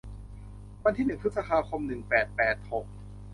วันที่หนึ่งพฤษภาคม หนึ่งแปดแปดหก